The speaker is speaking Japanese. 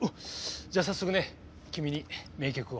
じゃあ早速ね君に名曲を。